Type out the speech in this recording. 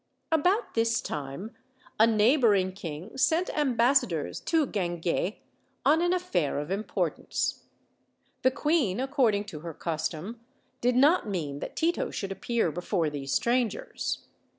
About this time a neighboring king sent ambassadors to Guinguet on an affair of importance. The queen, ac cording to her custom, did not mean that Tito should appear before these strangers.